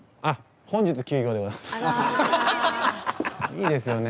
いいですよね。